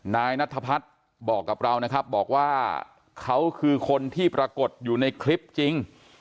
นายนัทพัฒน์บอกกับเรานะครับบอกว่าเขาคือคนที่ปรากฏอยู่ในคลิปจริง